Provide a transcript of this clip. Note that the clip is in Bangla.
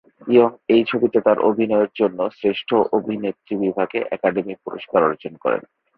ইয়ং এই ছবিতে তার অভিনয়ের জন্য শ্রেষ্ঠ অভিনেত্রী বিভাগে একাডেমি পুরস্কার অর্জন করেন।